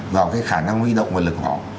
vào cái khả năng huy động nguồn lực của họ